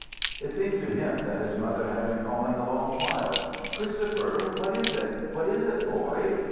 It seemed to him that his mother had been calling a long while. "Christopher! What is it? What is it, boy?"